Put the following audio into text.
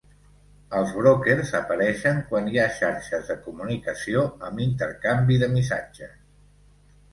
Els brokers apareixen quan hi ha xarxes de comunicació amb intercanvi de missatges.